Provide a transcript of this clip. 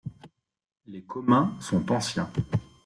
Les communs sont anciens.